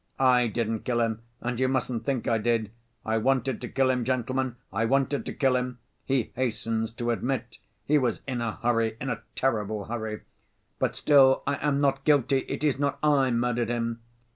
'I didn't kill him and you mustn't think I did! I wanted to kill him, gentlemen, I wanted to kill him,' he hastens to admit (he was in a hurry, in a terrible hurry), 'but still I am not guilty, it is not I murdered him.